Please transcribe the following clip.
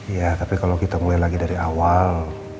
ya tapi kalo kita mulai lagi dari awal